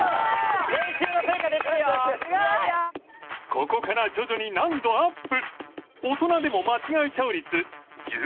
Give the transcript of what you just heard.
ここから徐々に難度アップ